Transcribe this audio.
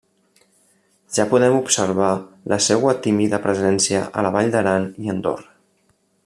Ja podem observar la seua tímida presència a la Vall d'Aran i Andorra.